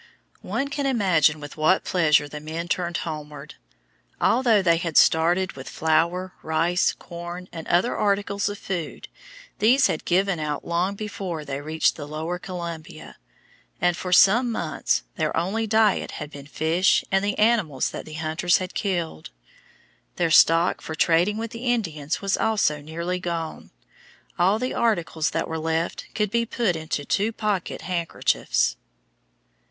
One can imagine with what pleasure the men turned homeward. Although they had started with flour, rice, corn, and other articles of food, these had given out long before they reached the lower Columbia, and for some months their only diet had been fish and the animals that the hunters had killed. Their stock for trading with the Indians was also nearly gone; all the articles that were left could be put into two pocket handkerchiefs.